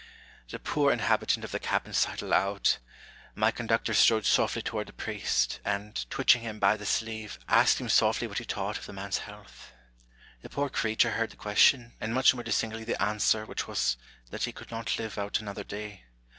The poor inhabitant of the cabin sighed aloud. My conductor strode softly toward the priest, and, twitching him by the sleeve, asked him softly what he thought of the man's health. The poor creature heard the question, and much more distinctly the answer, which was, that he could not live out another day.